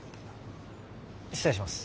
失礼します。